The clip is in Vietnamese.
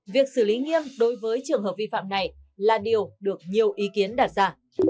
việc xử lý nghiêm đối với trường hợp vi phạm này là điều được nhiều ý kiến đặt ra